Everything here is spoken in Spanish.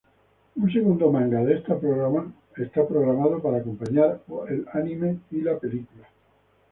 Un segundo manga está programado para acompañar el anime y la película.